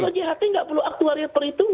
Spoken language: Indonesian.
kalau ght nggak perlu aktu harga perhitungan